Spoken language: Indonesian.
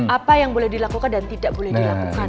apa yang boleh dilakukan dan tidak boleh dilakukan